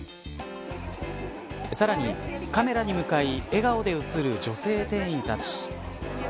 さらにカメラに向かい笑顔で映る女性店員たち。